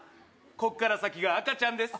こっから先が赤ちゃんです